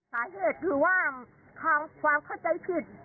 สาเหตุคือว่าความเข้าใจผิด